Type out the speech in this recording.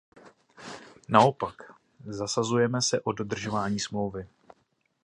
Naopak, zasazujeme se o dodržování smlouvy.